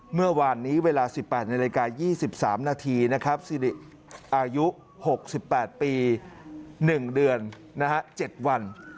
เมื่อวานนี้เวลา๑๘ในรายการ๒๓นาทีสิริอายุ๖๘ปี๑เดือน๗วัน